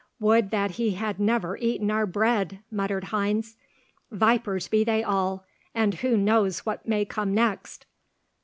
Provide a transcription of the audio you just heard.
"Would that he had never eaten our bread!" muttered Heinz. "Vipers be they all, and who knows what may come next?"